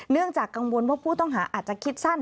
จากกังวลว่าผู้ต้องหาอาจจะคิดสั้น